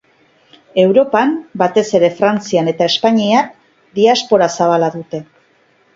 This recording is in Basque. Europan, batez ere Frantzian eta Espainian, diaspora zabala dute.